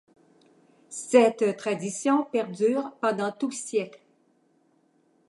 Cette tradition perdure pendant tout le siècle.